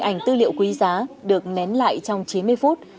nhiều quý giá được nén lại trong chín mươi phút